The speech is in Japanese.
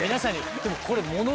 でもこれ。